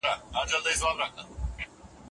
د ماشوم رواني ستونزي باید پټې وساتل نسي.